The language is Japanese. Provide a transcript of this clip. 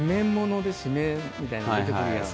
みたいなの出てくるやん。